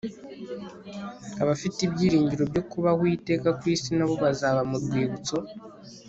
abafite ibyiringiro byo kubaho iteka ku isi na bo baza mu rwibutso